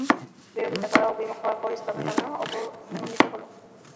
বিরোধিতা করা ও বিমুখ হওয়ার পর ইসলামের সামনে অবনমিত হল।